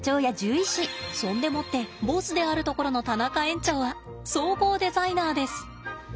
そんでもってボスであるところの田中園長は総合デザイナーです。